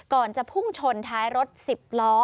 ก่อนจะพุ่งชนท้ายรถสิบล้อ